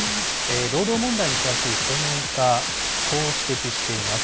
労働問題に詳しい専門家はこう指摘しています。